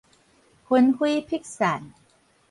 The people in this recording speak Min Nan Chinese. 魂飛魄散